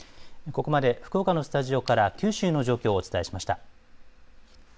ここまで福岡のスタジオから九州の状況をお伝えしました。